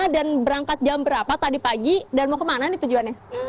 dan berangkat jam berapa tadi pagi dan mau kemana nih tujuannya